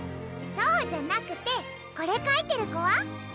そうじゃなくてこれ書いてる子は？